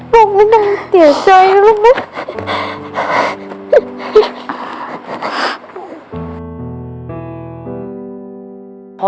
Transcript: บอกไม่ได้เตี๋ยวใจหรือเปล่า